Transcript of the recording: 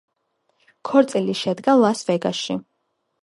ქორწილი შედგა ლას-ვეგასში.